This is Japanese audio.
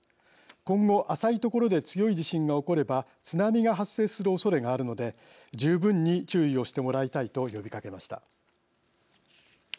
今後、浅い所で強い地震が起これば津波が発生するおそれがあるので十分に注意をしてもらいたいと呼びかけました。